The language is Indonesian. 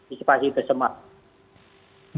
inisipasi itu semua